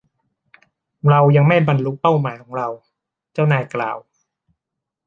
เรายังไม่บรรลุเป้าหมายของเราเจ้านายกล่าว